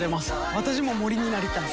私も森になりたい。